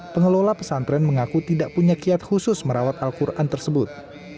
pengelola pesantren mengaku tidak punya kiat khusus merawat al quran tersebut